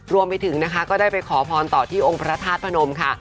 รวมไปถึงนะคะก็ได้ไปขอพรต่อที่องค์พระธาตุพนมค่ะ